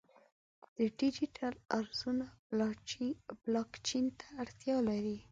د ډیجیټل ارزونه بلاکچین ته اړتیا لري.